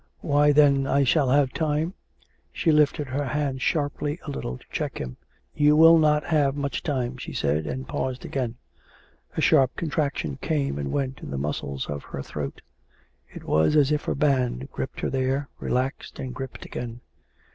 " Why, then, I shall have time " She lifted her hand sharply a little to check him. " You will not have much time," she said, and paused again. A sharp contraction came and went in the muscles of her throat. It was as if a hand gripped her there, re laxed, and gripped again.